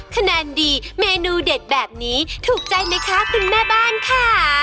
คะแนนดีเมนูเด็ดแบบนี้ถูกใจไหมคะคุณแม่บ้านค่ะ